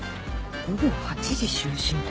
午後８時就寝って。